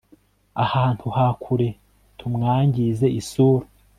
ahantu ha kure tumwangize isura